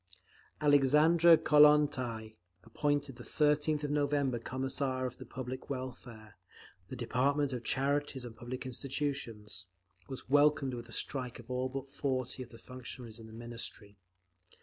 Alexandra Kollontai, appointed the 13th of November Commissar of Public Welfare—the department of charities and public institutions—was welcomed with a strike of all but forty of the functionaries in the Ministry.